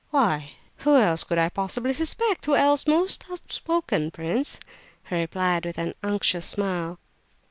"Why, who else could I possibly suspect? Who else, most outspoken prince?" he replied, with an unctuous smile.